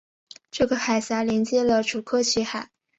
这个海峡连接了楚科奇海。